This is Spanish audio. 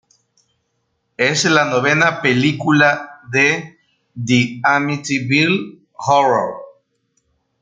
Es la novena película de The Amityville Horror.